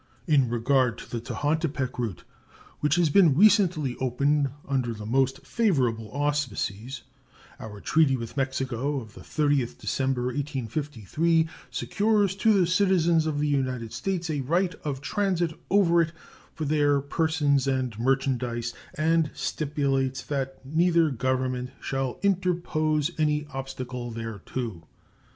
In regard to the Tehuantepec route, which has been recently opened under the most favorable auspices, our treaty with Mexico of the 30th December, 1853, secures to the citizens of the United States a right of transit over it for their persons and merchandise and stipulates that neither Government shall "interpose any obstacle" thereto.